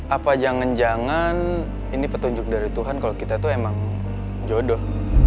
apa jangan jangan ini petunjuk dari tuhan kalau kita tuh emang jodoh